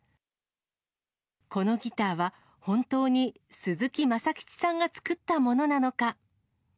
このギターは本当に鈴木政吉さんが作ったものなのか。